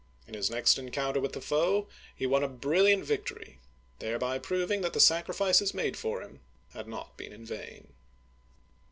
In his next encounter with the foe he won a brilliant victory, thereby proving that the sacrifices made for him had not been in vain.